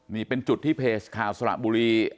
นี่เป็นจุดที่เพจข่าวสระบุรี